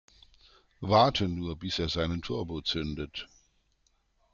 Warte nur, bis er seinen Turbo zündet!